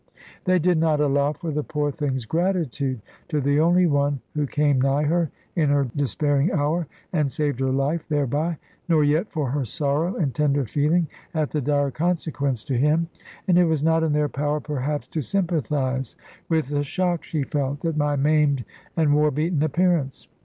They did not allow for the poor thing's gratitude to the only one who came nigh her in her despairing hour and saved her life thereby, nor yet for her sorrow and tender feeling at the dire consequence to him; and it was not in their power, perhaps, to sympathise with the shock she felt at my maimed and war beaten appearance.